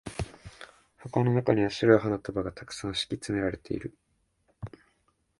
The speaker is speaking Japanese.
箱の中には白い花束が沢山敷き詰められている。